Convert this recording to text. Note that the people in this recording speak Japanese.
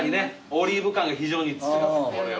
オリーブ感が非常に強いこれは。